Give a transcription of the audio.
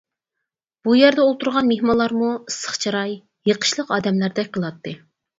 بۇ يەردە ئولتۇرغان مېھمانلارمۇ ئىسسىق چىراي، يېقىشلىق ئادەملەردەك قىلاتتى.